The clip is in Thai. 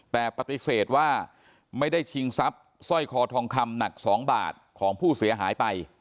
แต่ปฏิเสธว่าไม่ได้ชิงทรัพย์สร้อยคอทองคำหนัก๒บาทของผู้เสียหายไป